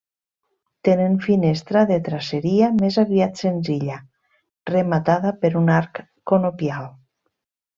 Tenen finestra de traceria més aviat senzilla, rematada per un arc conopial.